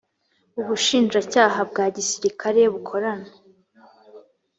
ubushinjacyaha bwa gisirikare bukorana